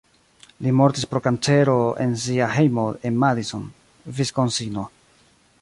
Li mortis pro kancero en sia hejmo en Madison (Viskonsino).